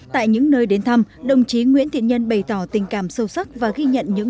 tại những nơi đến thăm đồng chí nguyễn thiện nhân bày tỏ tình cảm sâu sắc và ghi nhận những